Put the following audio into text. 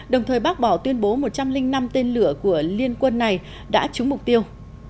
đồng thời bác bỏ tuyên bố một trăm linh năm tên lửa của liên quân này đã trúng mục tiêu